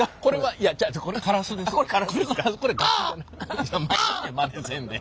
いやちゃうまねせんで。